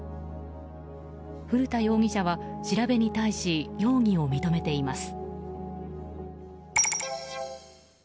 古田容疑者は調べに対し容疑を認めています。